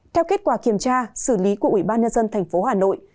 theo kết quả kiểm tra xử lý của ủy ban nhân dân thành phố hà nội